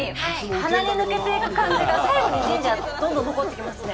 鼻に抜けていく感じが最後にジンジャーどんどん残っていきますね。